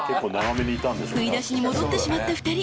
［振り出しに戻ってしまった２人］